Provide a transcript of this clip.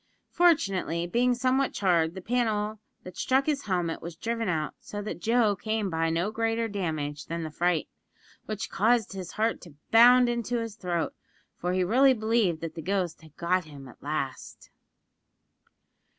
Fortunately, being somewhat charred, the panel that struck his helmet was driven out, so that Joe came by no greater damage than the fright, which caused his heart to bound into his throat, for he really believed that the ghost had got him at last!